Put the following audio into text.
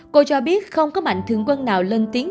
cô cho biết không có mạnh thương quân nào lên đường